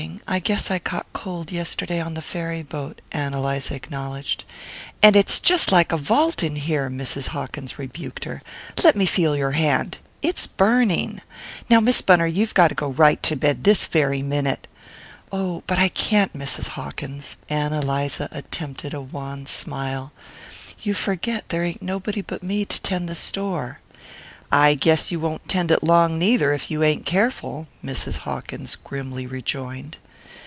I guess I caught cold yesterday on the ferry boat," Ann Eliza acknowledged. "And it's jest like a vault in here!" Mrs. Hawkins rebuked her. "Let me feel your hand it's burning. Now, Miss Bunner, you've got to go right to bed this very minute." "Oh, but I can't, Mrs. Hawkins." Ann Eliza attempted a wan smile. "You forget there ain't nobody but me to tend the store." "I guess you won't tend it long neither, if you ain't careful," Mrs. Hawkins grimly rejoined.